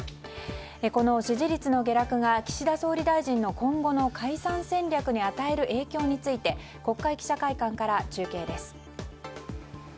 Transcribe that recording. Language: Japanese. この支持率の下落が岸田総理大臣の今後の解散戦略に与える影響について国会記者会館から中継です。